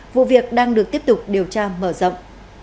vụ việc đang được tiếp tục điều tra mở rộng